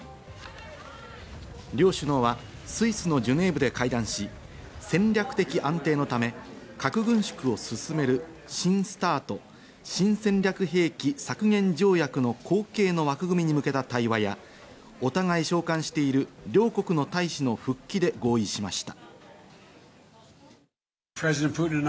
両首脳はスイスのジュネーブで会談し、戦略的安定のため核軍縮を進める新ＳＴＡＲＴ＝新戦略兵器削減条約の後継の枠組みに向けた対話や、お互い召還している両国の大使の復帰で合意しました。